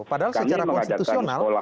padahal secara konstitusional